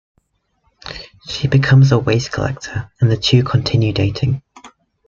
She becomes a waste collector and the two continue dating.